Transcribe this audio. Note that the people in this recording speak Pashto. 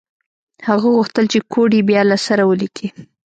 هغه غوښتل چې کوډ یې بیا له سره ولیکي